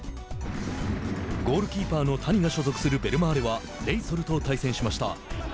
ゴールキーパーの谷が所属するベルマーレはレイソルと対戦しました。